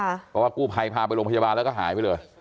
เพราะว่ากู้ภัยพาไปโรงพยาบาลแล้วก็หายไปเลย